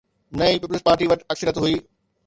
نه ئي Peoples Party وٽ اڪثريت هئي.